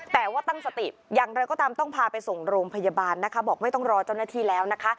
แต่ว่าตั้งสติอย่างไรก็ตามต้องพาไปส่งโรงพยาบาลนะคะบอกไม่ต้องรอเจ้าหน้าที่แล้วนะคะ